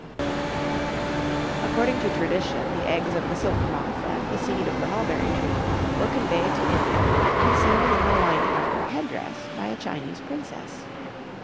According to tradition, the eggs of the silk moth and the seed of the mulberry tree were conveyed to India, concealed in the lining of her headdress, by a Chinese princess.